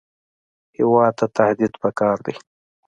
هېواد ته تعهد پکار دی